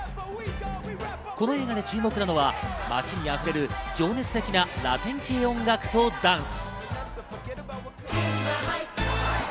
この映画で注目なのは街に溢れる情熱的なラテン系音楽とダンス。